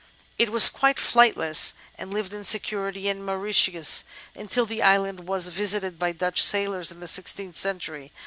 It was quite flightless, and lived in security in Mauritius until the island was visited by Dutch sailors in the sixteenth century.